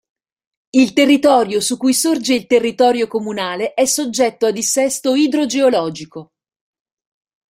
Il territorio su cui sorge il territorio comunale è soggetto a dissesto idrogeologico.